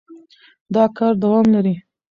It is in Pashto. دا کار دوام لري.